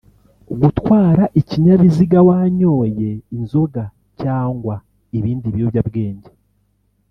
gutwara ikinyabiziga wanyoye inzoga cyangwa ibindi biyobyabwenge